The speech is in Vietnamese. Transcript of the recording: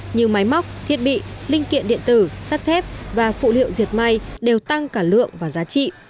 như máy móc thiết bị linh kiện điện tử sắt thép và phụ liệu diệt may đều tăng cả lượng và giá trị